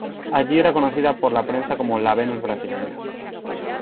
Allí era conocida por la prensa como la "Venus Brasileña".